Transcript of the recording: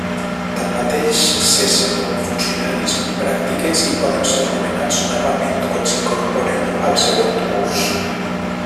Tanmateix, cessen com a funcionaris en pràctiques i poden ser nomenats novament quan s'incorporen al següent curs.